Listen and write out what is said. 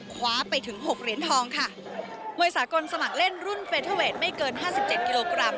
คว้าไปถึงหกเหรียญทองค่ะมวยสากลสมัครเล่นรุ่นเฟเทอร์เวทไม่เกินห้าสิบเจ็ดกิโลกรัม